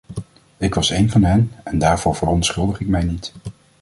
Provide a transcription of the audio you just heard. Ik was een van hen en daarvoor verontschuldig ik mij niet.